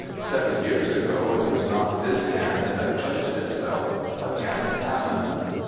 Seven years ago it was not this hand that clinch'd itself against Hammond.'